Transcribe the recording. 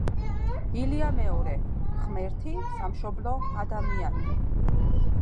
ილია მეორე: ღმერთი, სამშობლო, ადამიანი.